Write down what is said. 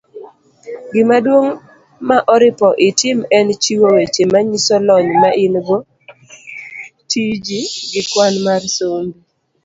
Gimaduong ' maoripo itim en chiwo weche manyiso lony maingo, tiji, gi kwan mar sombi.